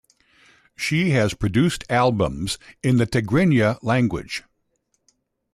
She has produced albums in the Tigrinya language.